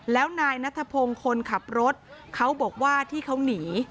แล้วนายนัทพงศ์คนขับรถเขาบอกว่าที่เขาหนี